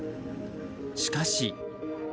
しかし。